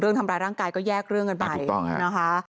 ทำร้ายร่างกายก็แยกเรื่องกันไปถูกต้องนะคะ